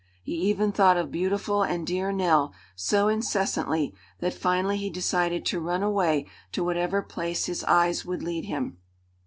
He even thought of beautiful and dear Nell so incessantly that finally he decided to run away to whatever place his eyes would lead him.